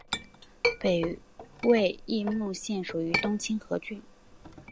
北魏绎幕县属于东清河郡。